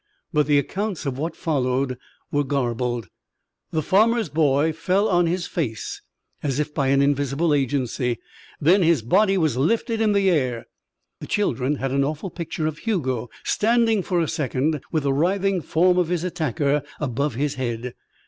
But the accounts of what followed were garbled. The farmer's boy fell on his face as if by an invisible agency. Then his body was lifted in the air. The children had an awful picture of Hugo standing for a second with the writhing form of his attacker above his head.